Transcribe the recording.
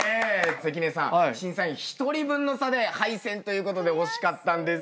関根さん審査員一人分の差で敗戦ということで惜しかったんですけど。